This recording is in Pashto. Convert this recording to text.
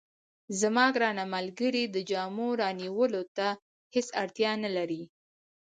زما ګرانه ملګرې، د جامو رانیولو ته هیڅ اړتیا نه لرې.